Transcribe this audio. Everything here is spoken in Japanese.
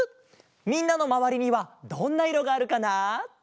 みんなのまわりにはどんないろがあるかな？